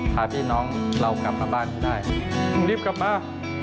พาพี่น้องเรากลับมาบ้านให้ได้รีบกลับมา